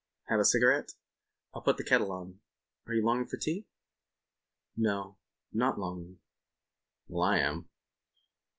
"Have a cigarette? I'll put the kettle on. Are you longing for tea?" "No. Not longing." "Well, I am."